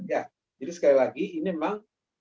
ya jadi sekali lagi ini memang